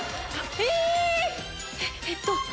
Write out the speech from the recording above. え⁉えっと。